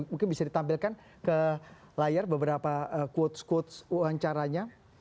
mungkin bisa ditampilkan ke layar beberapa quotes quotes wawancaranya